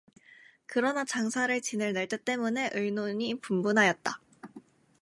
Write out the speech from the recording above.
그러나 장사를 지낼 날짜 때문에 의논이 분분하였다.